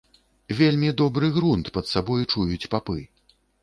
Вельмі добры грунт пад сабой чуюць папы.